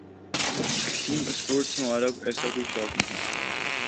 extreme sports ہمارا ایسا کوئی شوق نہیں